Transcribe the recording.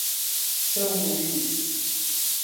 São Luís